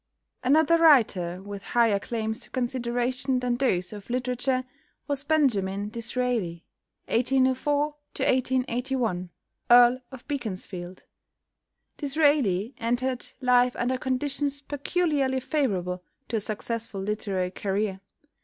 Another writer, with higher claims to consideration than those of literature, was =Benjamin Disraeli (1804 1881)=, Earl of Beaconsfield. Disraeli entered life under conditions peculiarly favourable to a successful literary career.